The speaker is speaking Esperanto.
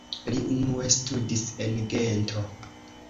Li unue studis en Gento.